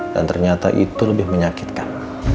dan ternyata itu lebih menyakitkan